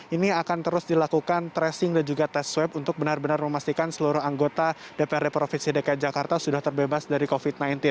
ini akan terus dilakukan tracing dan juga tes swab untuk benar benar memastikan seluruh anggota dprd provinsi dki jakarta sudah terbebas dari covid sembilan belas